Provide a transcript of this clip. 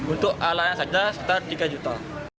untuk alanya saja sekitar tiga juta